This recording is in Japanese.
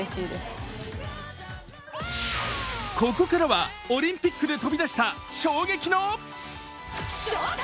ここからはオリンピックで飛び出した衝撃のＳＨＯＷＴＩＭＥ。